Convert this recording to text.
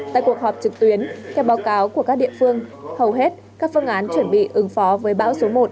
tại cuộc họp trực tuyến theo báo cáo của các địa phương hầu hết các phương án chuẩn bị ứng phó với bão số một